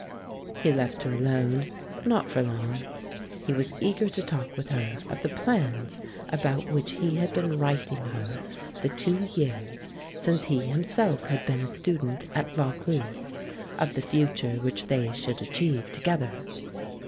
He left her alone, but not for long. He was eager to talk with her of the plans about which he had been writing her the two years since he himself had been a student at Vaucluse, of the future which they should achieve together.